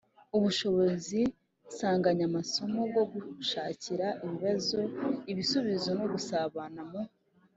ubushobozi nsanganyamasomo bwo gushakira ibibazo ibisubizo no gusabana mu